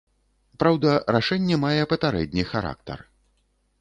Праўда, рашэнне мае папярэдні характар.